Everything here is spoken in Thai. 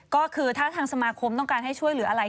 ก็คือถ้าทางสมาคมต้องการให้ช่วยเหลืออะไร